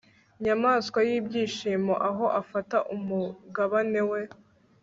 nyamwasa y'ibyishimo aho afata umugabane we